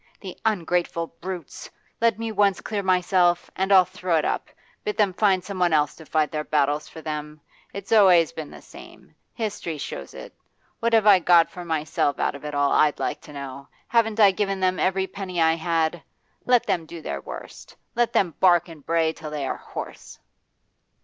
'The ungrateful brutes! Let me once clear myself, and I'll throw it up, bid them find someone else to fight their battles for them. It's always been the same: history shows it What have I got for myself out of it all, I'd like to know? Haven't I given them every penny I had? Let them do their worst! Let them bark and bray till they are hoarse!